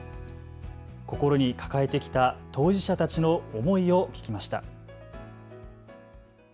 心に抱えてきた当事者たちの思いを聞きました。